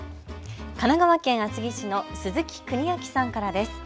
神奈川県厚木市の鈴木邦昭さんからです。